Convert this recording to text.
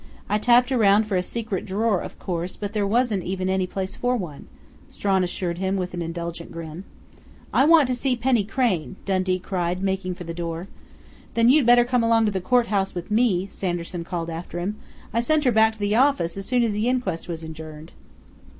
I tapped around for a secret drawer, of course, but there wasn't even any place for one," Strawn assured him with an indulgent grin. "I want to see Penny Crain!" Dundee cried, making for the door. "Then you'd better come along to the courthouse with me," Sanderson called after him. "I sent her back to the office as soon as the inquest was adjourned."